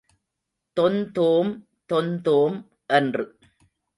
தொந்தோம் தொந்தோம் என்று.